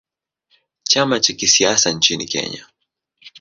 Chama cha kisiasa nchini Kenya.